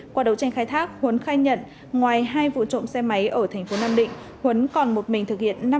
qua đấu tranh khai thác huấn khai nhận ngoài hai vụ trộm xe máy ở tp nam định huấn còn một mình thực hiện